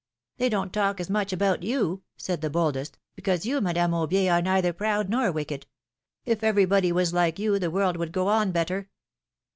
^^They don't talk as much about you," said the boldest, because you, Madame Aubier, are neither proud nor wicked. If everybody was like you, the world would go on better